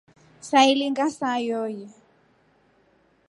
Sailinga saa yooyi.